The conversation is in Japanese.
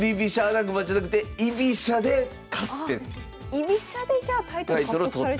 居飛車でじゃあタイトル獲得されてたんですね。